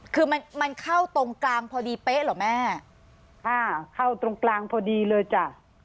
คือมันมันเข้าตรงกลางพอดีเป๊ะเหรอแม่อ่าเข้าตรงกลางพอดีเลยจ้ะ